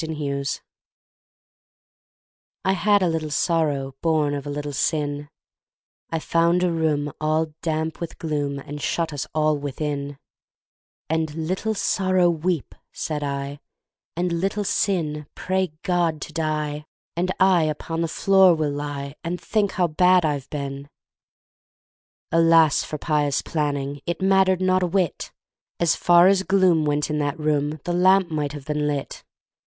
The Penitent I HAD a little Sorrow, Born of a little Sin, I found a room all damp with gloom And shut us all within; And, "Little Sorrow, weep," said I, "And, Little Sin, pray God to Die, And I upon the floor will lie And think how bad I've been!" Alas for pious planning It mattered not a whit! As far as gloom went in that room, The lamp might have been lit!